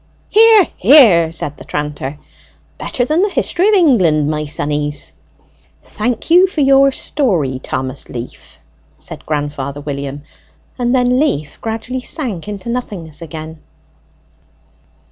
"Hear, hear!" said the tranter. "Better than the history of England, my sonnies!" "Thank you for your story, Thomas Leaf," said grandfather William; and then Leaf gradually sank into nothingness again.